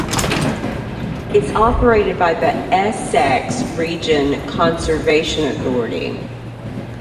It is operated by the Essex Region Conservation Authority.